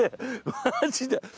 マジで？